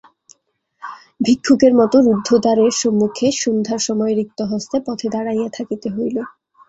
ভিক্ষুকের মতো রুদ্ধ দ্বারের সম্মুখে সন্ধ্যার সময় রিক্তহস্তে পথে দাঁড়াইয়া থাকিতে হইল।